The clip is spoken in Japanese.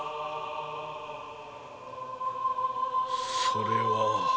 それは。